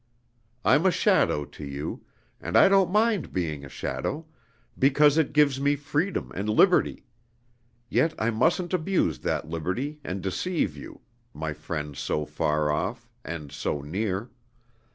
I'm a shadow to you, and I don't mind being a shadow, because it gives me freedom and liberty. Yet I mustn't abuse that liberty, and deceive you, my friend so far off and so near.